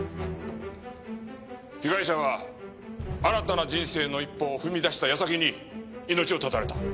被害者は新たな人生の一歩を踏み出した矢先に命を絶たれた。